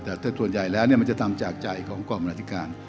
แต่ส่วนใหญ่แล้วเนี่ยมันจะทำจากใจของกรมนาฬิการ